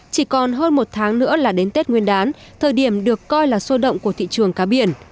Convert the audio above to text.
chỉ còn hơn một tháng nữa là đến tết nguyên đán thời điểm được coi là sôi động của thị trường cá biển